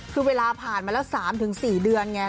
คือเวลาผ่านมาแล้ว๓๔เดือนไง